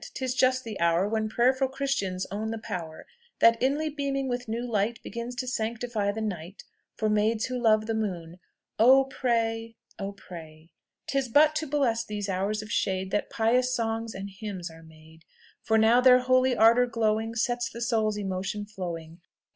'Tis just the hour When prayerful Christians own the power That, inly beaming with new light, Begins to sanctify the night For maids who love the moon. Oh, pray! oh, pray! 'Tis but to bless these hours of shade That pious songs and hymns are made; For now, their holy ardour glowing, Sets the soul's emotion flowing.